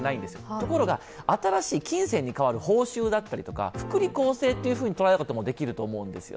ところが、新しい金銭に代わる報酬だったりとか福利厚生という捉え方もできると思います。